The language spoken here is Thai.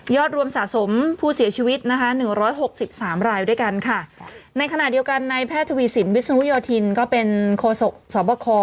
ยอดรวมสะสมผู้เสียชีวิตนะคะ๑๖๓รายอยู่ด้วยกันค่ะในขณะเดียวกันในแพทย์ทวีสินวิสนุยอทินก็เป็นโคสกสวบคล